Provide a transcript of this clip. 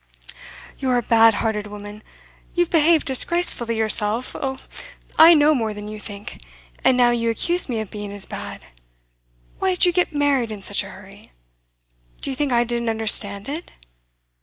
'You're a bad hearted woman! You've behaved disgracefully yourself oh! I know more than you think; and now you accuse me of being as bad. Why did you get married in such a hurry? Do you think I didn't understand it?